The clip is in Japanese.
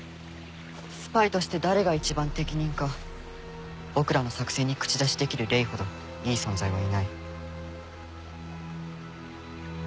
スパイとして誰が一番適任か僕らの作戦に口出しできるレイほどいい存在はいない。